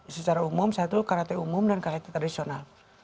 secara umum satu karate umum dan karate tradisional